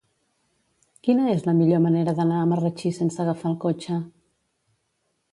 Quina és la millor manera d'anar a Marratxí sense agafar el cotxe?